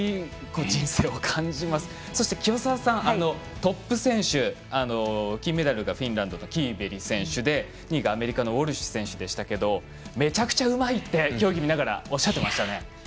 清澤さん、トップ選手金メダルがフィンランドのキーベリ選手で２位がアメリカのウォルシュ選手でしたがめちゃくちゃうまいって競技見ながらおっしゃってましたね。